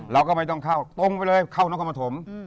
เราก็ไม่ต้องเข้าตรงไปเลยเข้านครปฐม